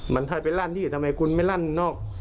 มันถ้าไปลั่นนี่ทำไมคุณไม่ลั่นนอก